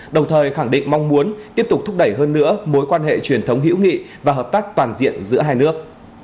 đồng thời khẳng định mong muốn tiếp tục thúc đẩy hơn nữa mối quan hệ truyền thống hữu nghị và hợp tác toàn diện giữa hai nước